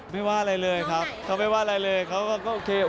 ไม่ว่าอะไรเลยครับเขาไม่ว่าอะไรเลยเขาก็โอเค